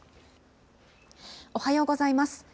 おはようございます。